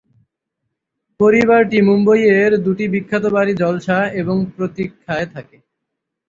পরিবারটি মুম্বইয়ের দুটি বিখ্যাত বাড়ি জলসা এবং প্রতিক্ষায় থাকে।